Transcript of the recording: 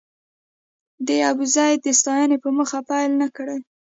د ابوزید د ستاینې په موخه پيل نه کړی و.